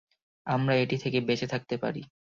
আমরা এটি থেকে বেঁচে থাকতে পারি।